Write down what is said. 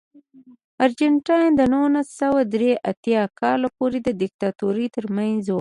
ارجنټاین د نولس سوه درې اتیا کال پورې د دیکتاتورۍ ترمنځ و.